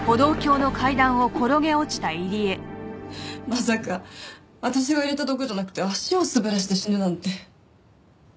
まさか私が入れた毒じゃなくて足を滑らせて死ぬなんて。